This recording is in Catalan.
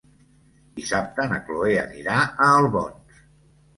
Dissabte na Cloè anirà a Albons.